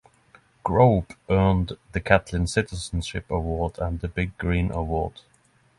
Grobe earned the Catlin Citizenship Award and the Big Green Award.